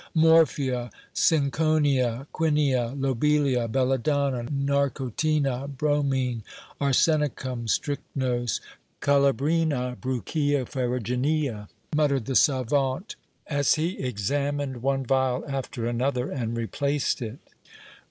"Morphia, cinchonia, quinia, lobelia, belladonna, narcotina, bromine, arsenicum, strychnos colubrina, brucoea ferruginea," muttered the savant, as he examined one vial after the other and replaced it.